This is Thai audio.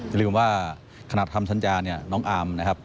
อย่าลืมว่าขณะทำสัญญาน้องอาร์ม